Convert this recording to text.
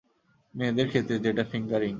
মেয়েদের ক্ষেত্রে যেটা ফিঙ্গারিং।